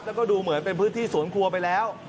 แล้วก็ดูเหมือนเป็นพื้นที่สวนครัวไปแล้ว